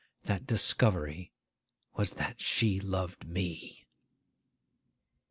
That discovery was that she loved me.